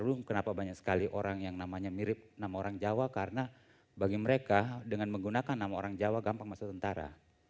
dulu kenapa banyak sekali orang yang namanya mirip nama orang jawa karena bagi mereka dengan menggunakan nama orang jawa gampang masuk tentara